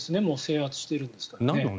もう制圧してるんですからね。